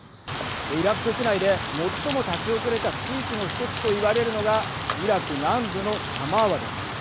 イラク国内で最も立ち遅れた地域の１つと言われるのがイラク南部のサマーワです。